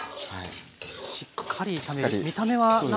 しっかり炒める。